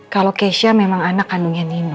kalau keisha memang anak kandungnya nino